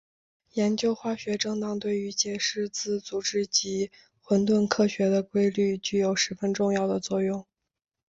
研究化学振荡对于解释自组织及混沌科学的规律具有十分重要的作用。